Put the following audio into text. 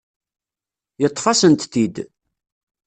Yeṭṭef-asent-t-id.